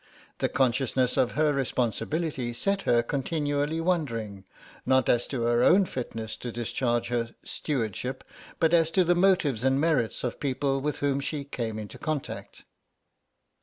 The consciousness of her responsibility set her continually wondering, not as to her own fitness to discharge her "stewardship," but as to the motives and merits of people with whom she came in contact.